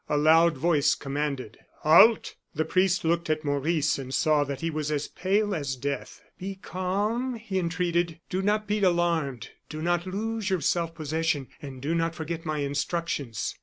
A loud voice commanded: "Halt!" The priest looked at Maurice and saw that he was as pale as death. "Be calm," he entreated; "do not be alarmed. Do not lose your self possession and do not forget my instructions."